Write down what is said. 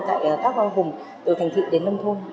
tại các vòng hùng từ thành thị đến nông thôn